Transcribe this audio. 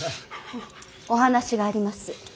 お話があります。